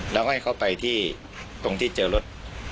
แล้วก็ให้เขาไปที่ตรงที่เจอรถ